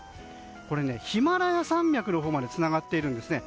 これ、ヒマラヤ山脈のほうまでつながっているんですね。